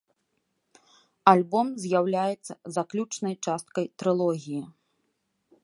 Альбом з'яўляецца заключнай часткай трылогіі.